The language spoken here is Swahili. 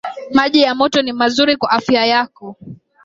Maji ya moto ni mazuri kwa afya yako